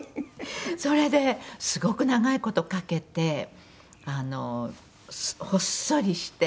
それですごく長い事かけてあのほっそりして。